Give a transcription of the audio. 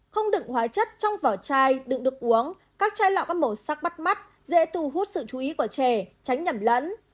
không đựng hóa chất trong vỏ chai đựng nước uống các chai lọ các màu sắc bắt mắt dễ thu hút sự chú ý của trẻ tránh nhầm lẫn